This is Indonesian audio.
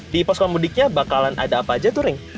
di posko mudiknya bakalan ada apa aja tuh reng